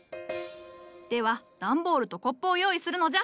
では段ボールとコップを用意するのじゃ。